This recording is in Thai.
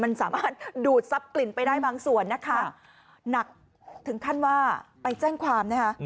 มันสามารถดูดทรัพย์กลิ่นไปได้บางส่วนนะคะหนักถึงขั้นว่าไปแจ้งความนะคะ